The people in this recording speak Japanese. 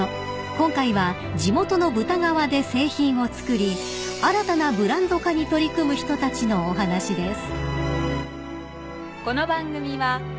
［今回は地元の豚革で製品を作り新たなブランド化に取り組む人たちのお話です］